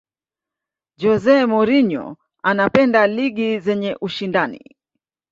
jose mourinho anapenda ligi zenye ushindani